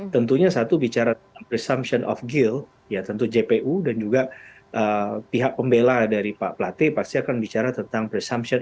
tentunya satu bicara tentang presumption of gill ya tentu jpu dan juga pihak pembela dari pak plate pasti akan bicara tentang presumption